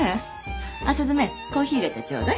あっ雀コーヒー入れてちょうだい。